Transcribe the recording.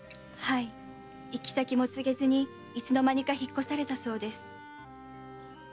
行き先も告げずにいつのまにか引っ越されたそうです。